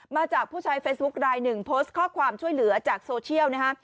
มาจากผู้ใช้เฟซบุ๊คลายหนึ่งโพสต์ข้อความช่วยเหลือจากโซเชียลนะฮะ